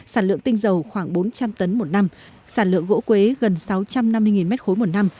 sản lượng tinh dầu khoảng bốn trăm linh tấn một năm sản lượng gỗ quế gần sáu trăm năm mươi m ba một năm